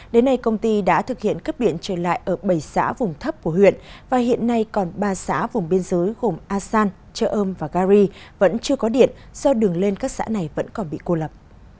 đến nay công ty đã thực hiện cấp điện trở lại ở bảy xã vùng thấp của huyện và hiện nay còn ba xã vùng biên giới gồm asan chợ âm và gari vẫn chưa có điện do đường lên các xã này vẫn còn bị cô lập